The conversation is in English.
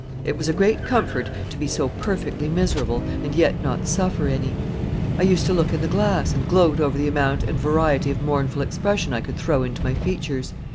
It was a great comfort to be so perfectly miserable and yet not suffer any. I used to look in the glass and gloat over the amount and variety of mournful expression I could throw into my features.